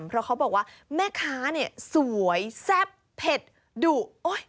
เพราะเขาบอกว่าแม่ค้าเนี่ยสวยแซ่บเผ็ดดุ